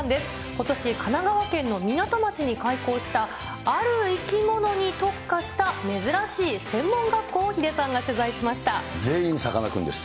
ことし、神奈川県の港町に開校したある生き物に特化した珍しい専門学校を全員さかなクンです。